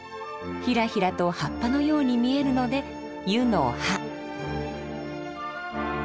ひらひらと葉っぱのように見えるので「湯の葉」。